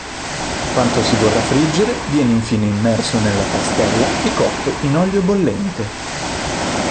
Quanto si vorrà friggere viene infine immerso nella pastella e cotto in olio bollente.